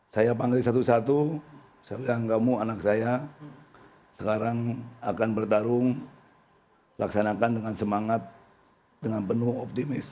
saya panggil satu satu saya bilang kamu anak saya sekarang akan bertarung laksanakan dengan semangat dengan penuh optimis